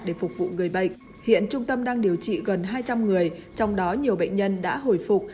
để phục vụ người bệnh hiện trung tâm đang điều trị gần hai trăm linh người trong đó nhiều bệnh nhân đã hồi phục